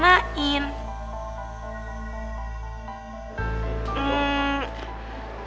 gak di rencanain